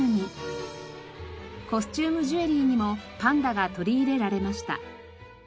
コスチュームジュエリーにもパンダが取り入れられました。